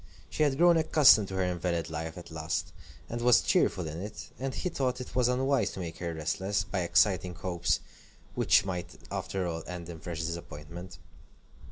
She had grown accustomed to her invalid life at last, and was cheerful in it, and he thought it unwise to make her restless, by exciting hopes which might after all end in fresh disappointment.